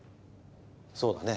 そうだね。